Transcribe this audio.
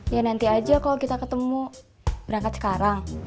ya nanti aja kalau kita ketemu berangkat sekarang